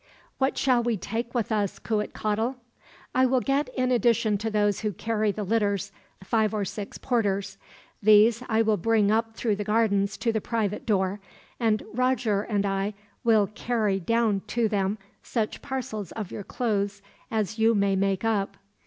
"What shall we take with us, Cuitcatl?" "I will get, in addition to those who carry the litters, five or six porters. These I will bring up through the gardens to the private door, and Roger and I will carry down to them such parcels of your clothes as you may make up.